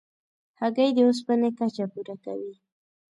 هګۍ د اوسپنې کچه پوره کوي.